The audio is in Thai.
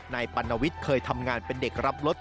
ปัณวิทย์เคยทำงานเป็นเด็กรับรถ